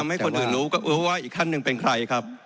ให้คนอื่นรู้ก็ว่าอีกท่านหนึ่งเป็นใครครับ